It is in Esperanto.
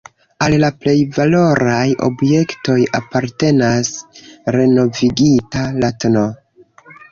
Al la plej valoraj objektoj apartenas renovigita, la tn.